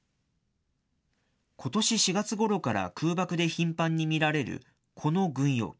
ことし４月ごろから空爆で頻繁に見られるこの軍用機。